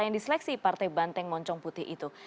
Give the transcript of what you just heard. yang diseleksi partai banteng moncong putih itu